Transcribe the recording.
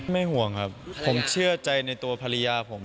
ห่วงครับผมเชื่อใจในตัวภรรยาผม